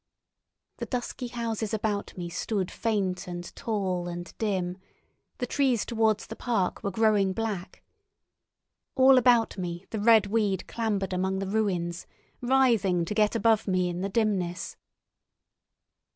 The dusky houses about me stood faint and tall and dim; the trees towards the park were growing black. All about me the red weed clambered among the ruins, writhing to get above me in the dimness.